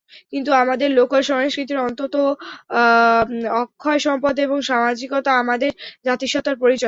কিন্তু আমাদের লোকজ সংস্কৃতির অনন্ত অক্ষয় সম্পদ এবং সামাজিকতা আমাদের জাতিসত্তার পরিচয়।